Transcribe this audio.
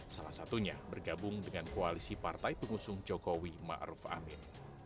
salah satunya bergabung dengan koalisi partai pengusung jokowi ma'ruf amin